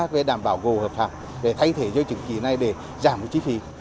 về đảm bảo gỗ hợp pháp để thay thế cho chứng chỉ này để giảm chi phí